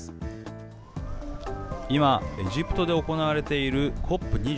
今、エジプトで行われているＣＯＰ２７。